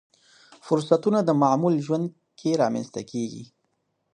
فرصتونه د معمول ژوند کې رامنځته کېږي.